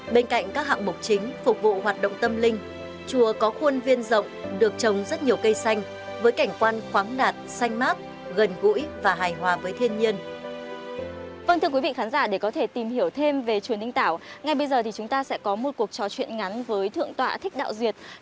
bên cạnh các hạng mục chính phục vụ hoạt động tâm linh chùa có khuôn viên rộng được trồng rất nhiều cây xanh với cảnh quan khoáng đạt xanh mát gần gũi và hài hòa với thiên nhiên